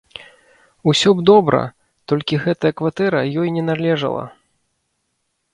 Усё б добра, толькі гэтая кватэра ёй не належала.